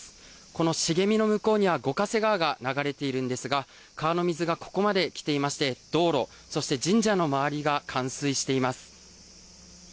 この茂みの向こうには五ヶ瀬川が流れているんですが川の水がここまで来ていまして道路、そして神社の周りが冠水しています。